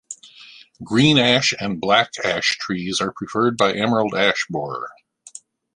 Green ash and black ash trees are preferred by emerald ash borer.